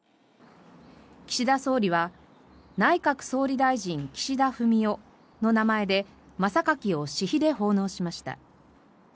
岸田総理は「内閣総理大臣岸田文雄」の名前で真榊を私費で奉納しました。